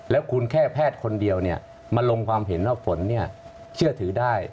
แล้วคุณแค่แพทย์คนเดียวมาลงความเห็นว่าฝนเชื่อถือได้